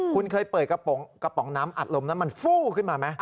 คุณเคยเปิดกระป๋องอันมันฟู้ขึ้นมาไหม